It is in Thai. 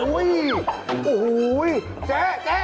อู้โฮ้อุ๊ยอู้โฮ้เจ๊เจ๊